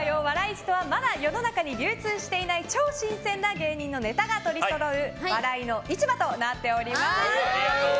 市とはまだ世の中に流通していない超新鮮な芸人のネタがとりそろう笑いの市場でございます。